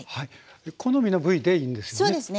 好みの部位でいいんですよね？